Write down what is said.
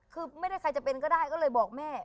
คือไม่ได้ใครจะเป็นก็ได้ก็เลยบอกแม่